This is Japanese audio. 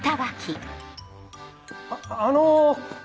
あっあの。